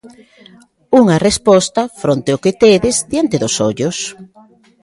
Unha resposta fronte ao que tedes diante dos ollos.